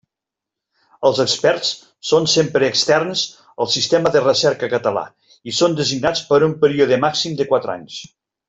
Els experts són sempre externs al sistema de recerca català i són designats per un període màxim de quatre anys.